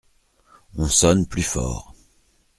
On sonne plus fort.